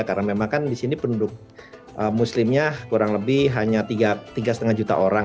karena memang kan di sini penduduk muslimnya kurang lebih hanya tiga lima juta orang